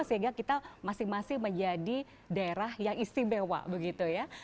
sehingga kita masing masing menjadi daerah yang istimewa begitu ya